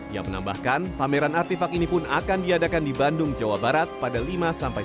yang menambahkan pameran artifak ini pun akan diadakan di bandung jawa barat pada lima sampai